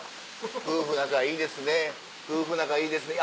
「夫婦仲いいですね夫婦仲いいですね」。